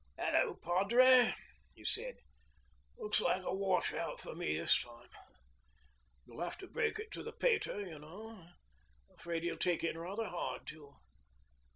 'Hello, padre,' he said, 'looks like a wash out for me this time. You'll have to break it to the pater, you know. Afraid he'll take it rather hard too.